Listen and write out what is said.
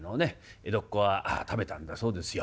江戸っ子は食べたんだそうですよ。